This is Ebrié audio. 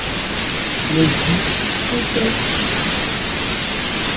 Mɛn di khúbhɛ́.